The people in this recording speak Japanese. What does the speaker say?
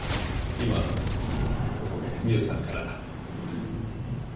今ミウさんから。